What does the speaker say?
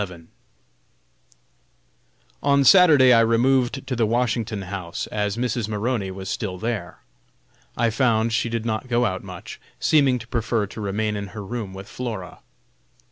_ On Saturday I removed to the Washington House, as Mrs. Maroney was still there. I found she did not go out much, seeming to prefer to remain in her room with Flora.